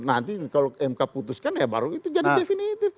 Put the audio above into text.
nanti kalau mk putuskan ya baru itu jadi definitif